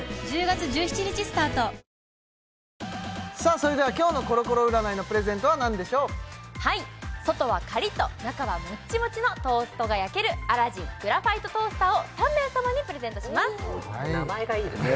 それでは今日のコロコロ占いのプレゼントは何でしょうはい外はカリッと中はモッチモチのトーストが焼けるアラジングラファイトトースターを３名様にプレゼントします名前がいいですね